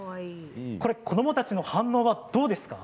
子どもたちの反応はどうですか。